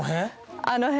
あの辺？